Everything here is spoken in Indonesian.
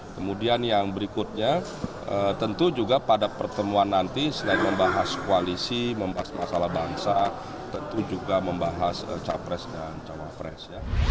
kemudian yang berikutnya tentu juga pada pertemuan nanti selain membahas koalisi membahas masalah bangsa tentu juga membahas capres dan cawapres